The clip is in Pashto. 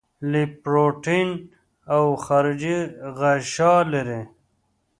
لیپوپروټین او خارجي غشا لري.